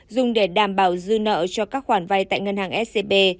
dùng để đảm bảo dư nợ cho các khoản vay tại ngân hàng scb